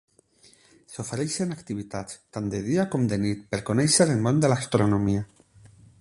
S'ofereixen activitats, tant de dia com de nit, per conèixer el món de l'astronomia.